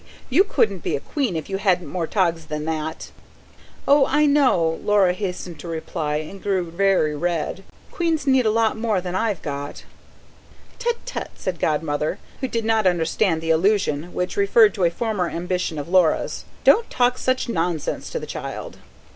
You couldn't be a queen if you hadn't more togs than that." "Oh, I know," Laura hastened to reply, and grew very red. "Queens need a lot more clothes than I've got." "Tut, tut!" said Godmother: she did not understand the allusion, which referred to a former ambition of Laura's. "Don't talk such nonsense to the child."